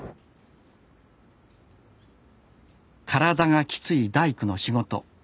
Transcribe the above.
体がきつい大工の仕事。